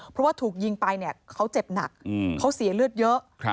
เพราะว่าถูกยิงไปเนี่ยเขาเจ็บหนักเขาเสียเลือดเยอะ